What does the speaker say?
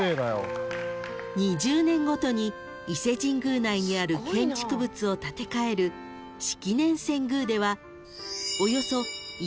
［２０年ごとに伊勢神宮内にある建築物を建て替える式年遷宮では］